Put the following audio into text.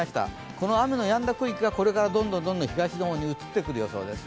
この雨のやんだ区域がこれからどんどん東の方に移っていく予想です。